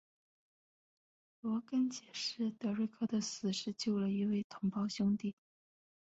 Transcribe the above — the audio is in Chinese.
罗根解释德瑞克的死是救了一位同袍兄弟。